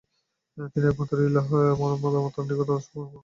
তিনি একমাত্র ইলাহ্ এবং আমরা তাঁর নিকট আত্মসমর্পণকারী।